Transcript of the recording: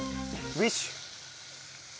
ウィッシュ。